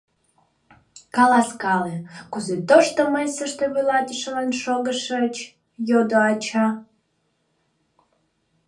— Каласкале, кузе Тошто мыйсыште вуйлатышылан шогышыч? — йодо ача.